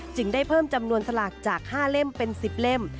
ได้เพิ่มจำนวนสลากจาก๕เล่มเป็น๑๐เล่ม